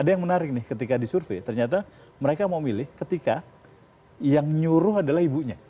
ada yang menarik nih ketika disurvey ternyata mereka mau milih ketika yang nyuruh adalah ibunya